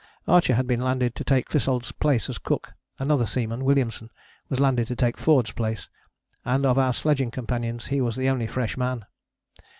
Archer had been landed to take Clissold's place as cook; another seaman, Williamson, was landed to take Forde's place, and of our sledging companions he was the only fresh man.